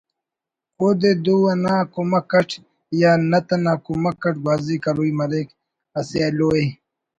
اودے دو انا کمک اٹ یا نت انا کمک اٹ گوازی کروئی مریک اسہ ایلوءِ